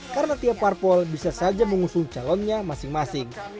karena tiap parpol bisa saja mengusul calonnya masing masing